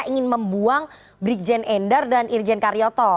ingin membuang brigjen endar dan irjen karyoto